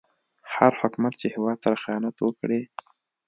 هر حکومت چې هيواد سره خيانت وکړي